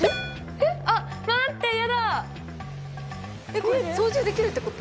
えっこれ操縦できるってこと？